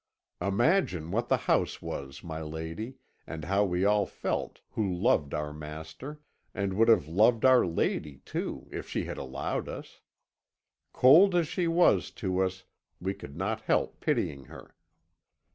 "Imagine what the house was, my lady, and how we all felt, who loved our master, and would have loved our lady too, if she had allowed us. Cold as she was to us, we could not help pitying her.